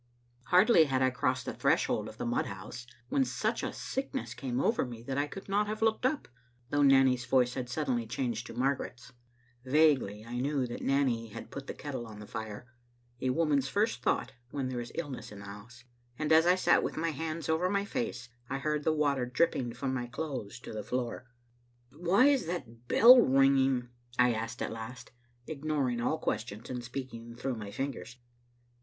Hardly had I crossed the threshold of the mudhouse when such a sickness came over me that I could not have looked up, though Nanny's voice had suddenly changed to Margaret's. Vaguely I knew that Nanny had put the kettle on the fire — a woman's first thought when there is illness in the house — and as I sat with my hands over my face I heard the water dripping from my clothes to the fioor. " Why is that bell ringing?" I asked at last, ignoring all questions and speaking through my fingers.